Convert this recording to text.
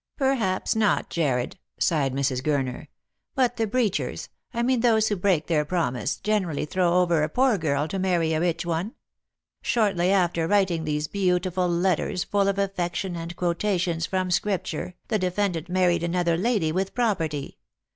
" Perhaps not, Jarred," sighed Mrs. Gurner ;" but the breachers — I mean those who break their promise — generally throw over a poor girl to marry a rich one. ' Shortly after writing these beautiful letters, full of affection and quotations from Scripture, the defendant married another lady with pro perty.'